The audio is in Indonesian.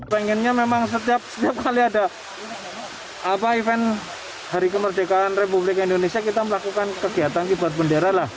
pengennya memang setiap kali ada event hari kemerdekaan republik indonesia kita melakukan kegiatan kibar bendera lah